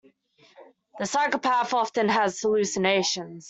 The psychopath often has hallucinations.